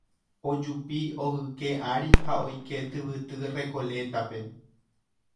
ojupi ogyke ári ha oike tyvyty Recoleta-pe